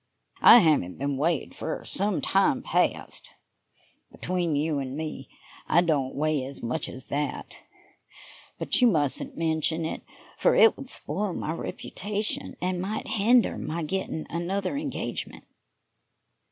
I haven't been weighed for some time past. Between you and me, I don't weigh as much as that, but you mustn't mention it, for it would spoil my reputation and might hinder my getting another engagement."